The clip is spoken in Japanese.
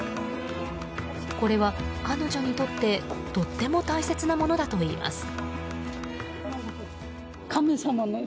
これは彼女にとってとても大切なものだといいます。